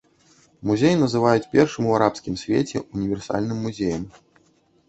Музей называюць першым у арабскім свеце універсальным музеем.